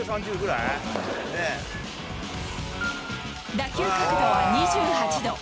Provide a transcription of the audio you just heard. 打球角度は２８度。